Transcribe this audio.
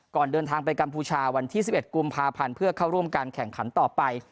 เดินทางไปกัมพูชาวันที่๑๑กุมภาพันธ์เพื่อเข้าร่วมการแข่งขันต่อไป